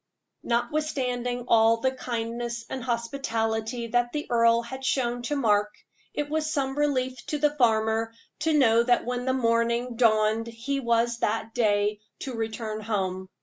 Notwithstanding all the kindness and hospitality that the earl had shown to Mark, it was some relief to the farmer to know that when morning dawned he was that day to return home.